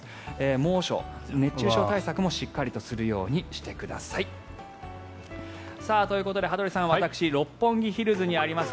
猛暑、熱中症対策もしっかりとするようにしてください。ということで羽鳥さん私、六本木ヒルズにあります